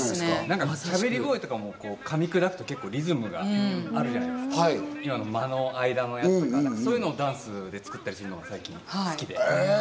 しゃべり声とかも噛み砕くとリズムがあるじゃないですか、今の間の間とか、そういうのを最近ダンスに使ってるのが好きで。